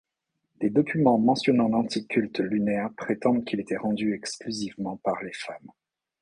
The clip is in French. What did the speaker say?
Des documents mentionnant l'antique culte lunaire prétendent qu'il était rendu exclusivement par les femmes.